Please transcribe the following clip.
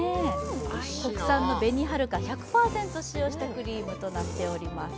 国産の紅はるか１００％使用したクリームとなっております。